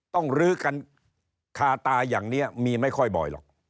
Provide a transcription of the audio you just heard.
ลื้อกันคาตาอย่างนี้มีไม่ค่อยบ่อยหรอก